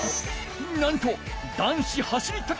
なんと男子走り